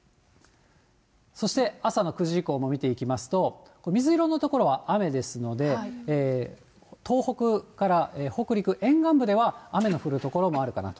そして朝の９時以降も見ていきますと、水色の所は雨ですので、東北から北陸、沿岸部では雨の降る所もあるかなと。